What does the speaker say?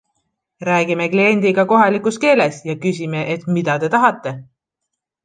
Räägime kliendiga kohalikus keeles ja küsime, et mida te tahate?